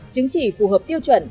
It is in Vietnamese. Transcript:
chứng chỉ phù hợp tiêu chuẩn